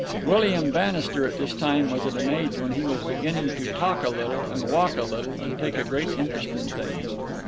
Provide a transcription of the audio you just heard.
William Bannister at this time was at an age when he was beginning to talk a little and walk a little and take a great interest in things.